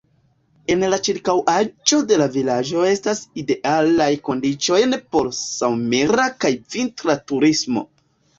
En la ĉirkaŭaĵo de la vilaĝo estas idealaj kondiĉojn por somera kaj vintra turismo.